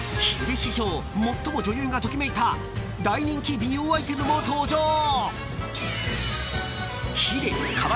［ヒデ史上最も女優がときめいた大人気美容アイテムも登場］